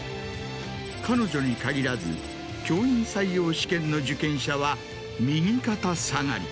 彼女に限らず教員採用試験の受験者は右肩下がり。